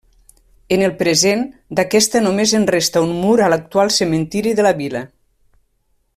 En el present, d'aquesta només en resta un mur a l'actual cementiri de la vila.